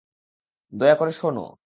দয়া করে, শোন।